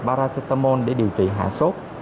paracetamol để điều trị hạ sốt